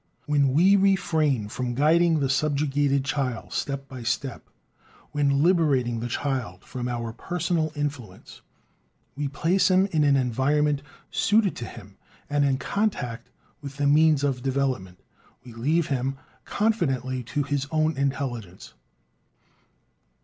When we refrain from guiding the subjugated child step by step, when, liberating the child from our personal influence, we place him in an environment suited to him and in contact with the means of development, we leave him confidently to "his own intelligence."